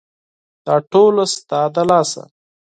دا ټوله ستا د لاسه !